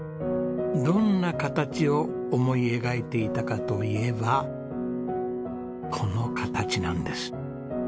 どんな形を思い描いていたかといえばこの形なんです。